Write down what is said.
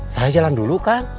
saya jalan dulu kan